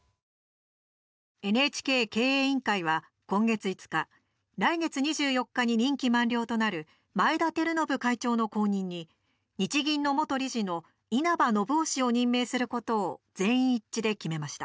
ＮＨＫ経営委員会は、今月５日来月２４日に任期満了となる前田晃伸会長の後任に日銀の元理事の稲葉延雄氏を任命することを全員一致で決めました。